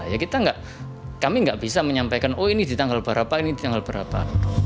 ya kita nggak kami nggak bisa menyampaikan oh ini di tanggal berapa ini di tanggal berapa